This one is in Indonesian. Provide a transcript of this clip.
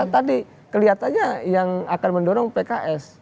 tadi kelihatannya yang akan mendorong pks